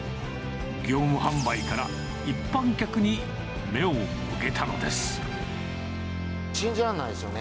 業務販売から一般客に目を向けた信じられないですよね。